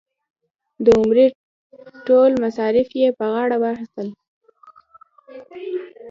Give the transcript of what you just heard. د عمرې ټول مصارف یې په غاړه واخیستل.